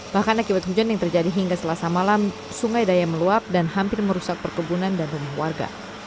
bahkan akibat hujan yang terjadi hingga selasa malam sungai daya meluap dan hampir merusak perkebunan dan rumah warga